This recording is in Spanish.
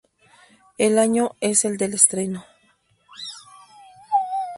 El año es el del estreno.